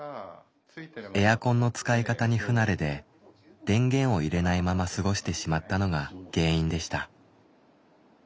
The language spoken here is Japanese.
エアコンの使い方に不慣れで電源を入れないまま過ごしてしまったのが原因でした。